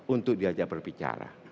untuk diajak berbicara